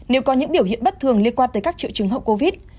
nếu có những biểu hiện bất thường liên quan tới các triệu chứng hậu covid